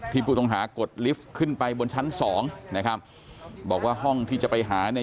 ผู้ต้องหากดลิฟต์ขึ้นไปบนชั้นสองนะครับบอกว่าห้องที่จะไปหาเนี่ย